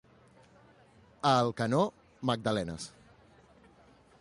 A Alcanó, magdalenes.